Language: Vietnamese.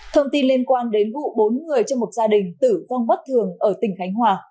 thông tin liên quan đến vụ bốn người trong một gia đình tử vong bất thường ở tỉnh khánh hòa